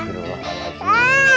tu papahmu itu